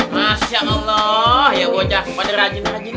masya allah ya allah cak pada rajin rajin